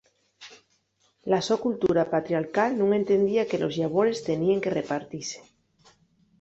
La so cultura patriarcal nun entendía que los llabores teníen que repartise.